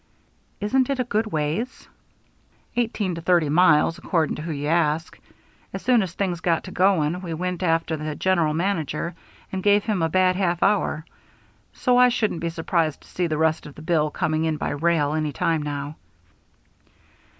"Isn't it a good ways?" "Eighteen to thirty miles, according to who you ask. As soon as things got to going we went after the General Manager and gave him a bad half hour; so I shouldn't be surprised to see the rest of the bill coming in by rail any time now."